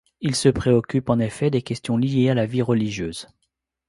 Il se préoccupe, en effet des questions liées à la vie religieuse.